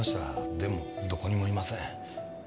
でもどこにもいません。